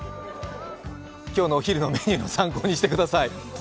今日のお昼のメニューの参考にしてください。